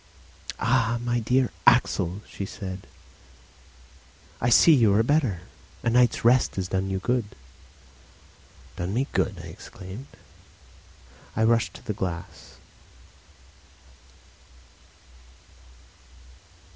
"Ah! my dear Axel," she said. "I see you are better. A night's rest has done you good." "Done me good!" I exclaimed. I rushed to the glass.